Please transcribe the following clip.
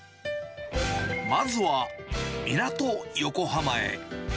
まずは、港横浜へ。